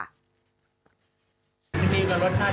ดีกว่ารสชาติดีนะแล้วก็ราคาไม่แพง